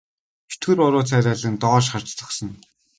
Чөтгөр уруу царайлан доош харж зогсоно.